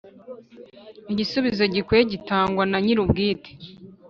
Igisubizo gikwiye gitangwa nanyirubwite.